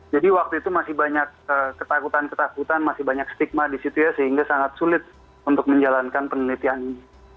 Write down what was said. jadi waktu itu masih banyak ketakutan ketakutan masih banyak stigma di situ ya sehingga sangat sulit untuk menjalankan penelitian ini